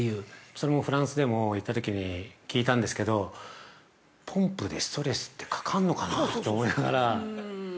◆それをフランスでも行ったときに聞いたんですけどポンプでストレスってかかんのかなあと思いながら。